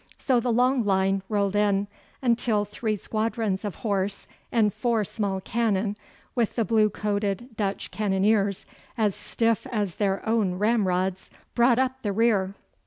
So the long line rolled in until three squadrons of horse and four small cannon, with the blue coated Dutch cannoniers as stiff as their own ramrods, brought up the rear.